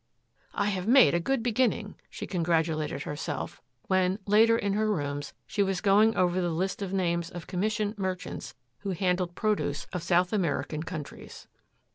"I have made a good beginning," she congratulated herself, when, later in her rooms, she was going over the list of names of commission merchants who handled produce of South American countries.